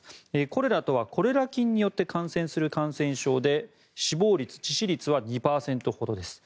コレラとはコレラ菌によって感染する感染症で死亡率、致死率は２％ほどです。